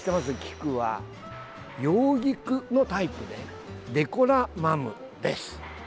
菊は洋菊のタイプで、デコラマムです。